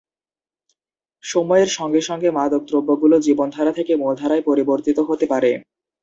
সময়ের সঙ্গে সঙ্গে মাদকদ্রব্যগুলো 'জীবনধারা' থেকে 'মূলধারা'য় পরিবর্তিত হতে পারে।